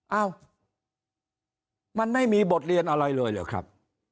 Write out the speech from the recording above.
เอ้ามันไม่มีบทเรียนอะไรเลยเหรอครับ